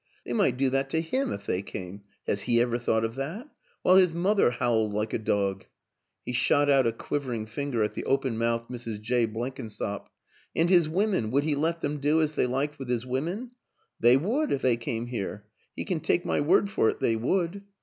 They might do that to him if they came has he ever thought of that? while his mother howled like a dog." He shot out a quivering finger at the open mouthed Mrs. Jay Blenkinsop. " And his women would he let them do as they liked with his women ? They would if they came here he can take my word for it they would.